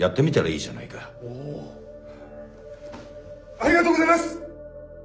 ありがとうございます！